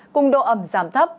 cùng độ ẩm giảm thấp